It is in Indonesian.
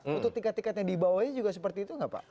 untuk tiket tiket yang dibawahnya juga seperti itu nggak pak